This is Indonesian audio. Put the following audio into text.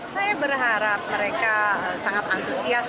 saya berharap mereka sangat antusias